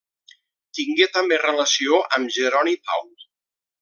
Tingué també relació amb Jeroni Pau.